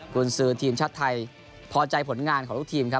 คุณซื้อทีมชาติไทยพอใจผลงานของลูกทีมครับ